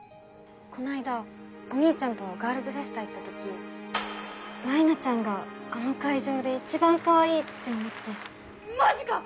⁉こないだお兄ちゃんと「ＧＩＲＬＳＦＥＳＴＡ」行った時舞菜ちゃんがあの会場で一番かわいいって思ってマジか！